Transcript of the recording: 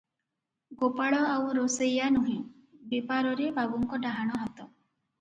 ଗୋପାଳ ଆଉ ରୋଷେଇୟା ନୁହେଁ, ବେପାରରେ ବାବୁଙ୍କ ଡାହାଣ ହାତ ।